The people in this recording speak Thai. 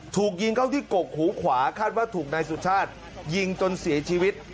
ถูกยิงเข้าที่กกหูขวาคาดว่าถูกนายสุชาติยิงจนเสียชีวิต